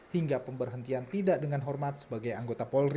hingga pemberhentian tidak dengan hormat sebagai anggota polri